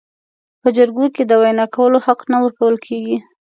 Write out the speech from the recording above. په جرګو کې د وینا کولو حق نه ورکول کیږي.